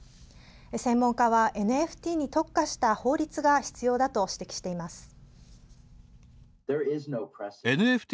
専門家は、ＮＦＴに特化した法律が必要だと指摘しています。